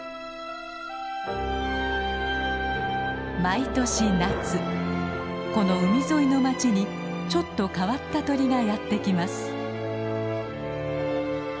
毎年夏この海沿いの町にちょっと変わった鳥がやって来ます。